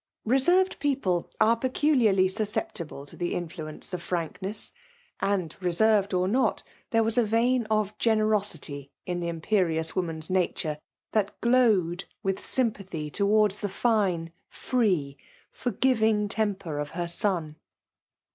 Be aerved people are pecnliarly susceptible to the inflnenoe of frankness ; andj reserved or not, there was a vein of generosity in the impe* rious woman's nature, that glowed with sym pathy towards the fine« free, forgiving temper of her son.